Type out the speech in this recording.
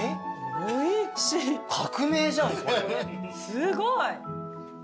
すごい。